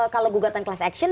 kalau gugatan kelas action